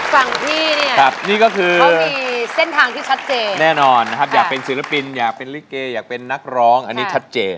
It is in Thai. ทางที่ชัดเจนแน่นอนนะครับอยากเป็นศิลปินอยากเป็นริเกย์อยากเป็นนักร้องอันนี้ชัดเจน